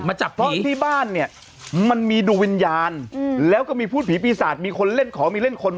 จับเพราะที่บ้านเนี่ยมันมีดวงวิญญาณแล้วก็มีพูดผีปีศาจมีคนเล่นขอมีเล่นคน